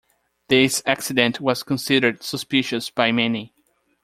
This accident was considered suspicious by many.